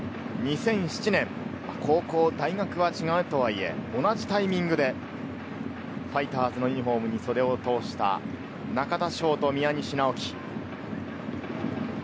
２００７年、高校大学は違うとはいえ、同じタイミングでファイターズのユニホームに袖を通した中田翔と宮西尚生。